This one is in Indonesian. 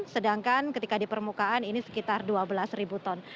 sedangkan di permukaan ini sekitar dua belas ton